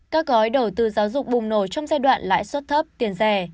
các gói đầu tư giáo dục bùng nổ trong giai đoạn lãi suất thấp tiền rẻ